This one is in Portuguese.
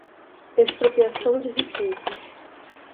Expropriação de riqueza